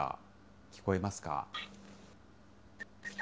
聞こえますか？